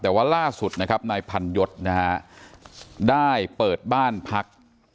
แต่ว่าล่าสุดในพันยศได้เปิดบ้านพัก